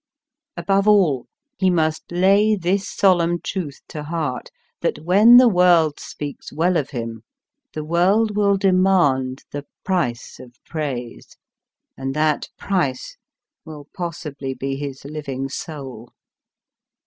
Above all, he must lay this solemn truth to heart, that when the World speaks well of him the World will demand the price of praise, and that price will possibly be his living Soul.